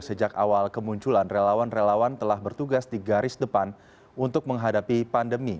sejak awal kemunculan relawan relawan telah bertugas di garis depan untuk menghadapi pandemi